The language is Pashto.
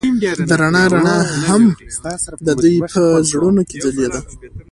د رڼا رڼا هم د دوی په زړونو کې ځلېده.